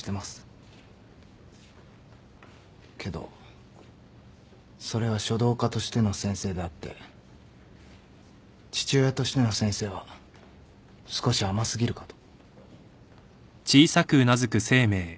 けどそれは書道家としての先生であって父親としての先生は少し甘過ぎるかと。